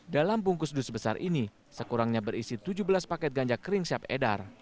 dalam bungkus dus besar ini sekurangnya berisi tujuh belas paket ganja kering siap edar